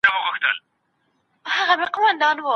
که توري ورته نه وي نو ماشین پرې نښه لګوي.